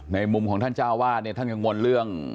ในมุมของท่านเจ้าว่าท่านจังงวลเรื่อง